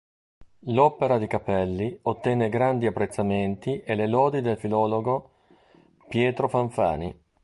L'opera di Cappelli ottenne grandi apprezzamenti e le lodi del filologo Pietro Fanfani.